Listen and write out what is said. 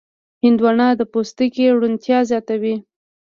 هندوانه د پوستکي روڼتیا زیاتوي.